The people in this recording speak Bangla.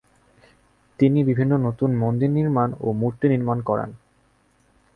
তিনি বিভিন্ন নতুন মন্দির নির্মাণ ও মূর্তি নির্মাণ করান।